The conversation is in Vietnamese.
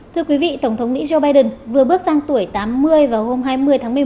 thưa quý vị tổng thống mỹ joe biden vừa bước sang tuổi tám mươi vào hôm hai mươi tháng một mươi một